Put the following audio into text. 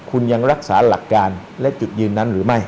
คุณยังรักษาหลักการและจุดยืนนั้นหรือไม่